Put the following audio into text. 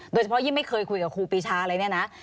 โดยเฉพาะยิ่งไม่เคยคุยกับครูปีชาเลยเนี่ยนะ